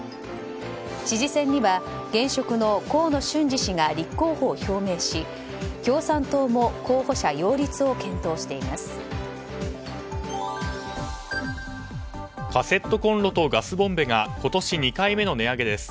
知事選には現職の河野俊嗣氏が立候補を表明し共産党も候補者擁立を検討しています。